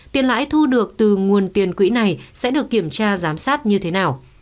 tiền lãi thu được từ nguồn tiền quỹ này sẽ được kiểm tra giám sát như thế nào